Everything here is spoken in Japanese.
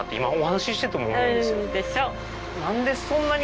でしょ？